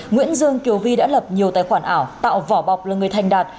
nguyễn dương kiều vi đã lập nhiều tài khoản ảo tạo vỏ bọc là người thành đạt